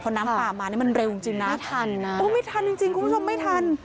น้ำป่ามานี่มันเร็วจริงจริงนะไม่ทันนะโอ้ไม่ทันจริงจริงคุณผู้ชมไม่ทัน